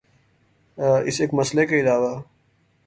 اس ایک مسئلے کے علاوہ